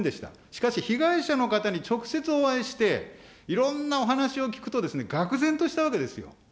しかし被害者の方に直接お会いして、いろんなお話を聞くと、がく然としたわけですよ。